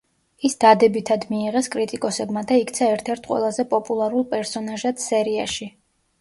ის დადებითად მიიღეს კრიტიკოსებმა და იქცა ერთ-ერთ ყველაზე პოპულარულ პერსონაჟად სერიაში.